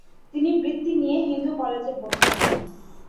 তিনি বৃত্তি নিয়ে হিন্দু কলেজে ভর্তি হন।